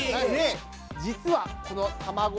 実はこのえ？